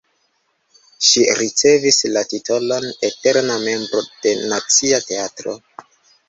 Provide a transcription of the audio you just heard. Ŝi ricevis la titolon eterna membro de Nacia Teatro.